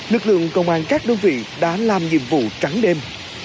lực lượng công an các đơn vị đã làm nhiệm vụ trắng đêm